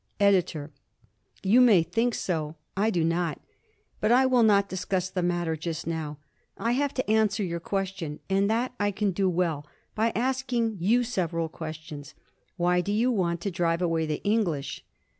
EDITOR: You may think so: I do not. But I will not discuss the matter just now. I have to answer your question, and that I can do well by asking you several questions. Why do you want to drive away the English?